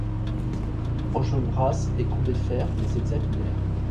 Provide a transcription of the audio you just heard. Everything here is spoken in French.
Enjolras et Combeferre les examinèrent.